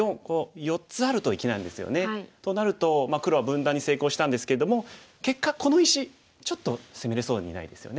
となると黒は分断に成功したんですけれども結果この石ちょっと攻めれそうにないですよね。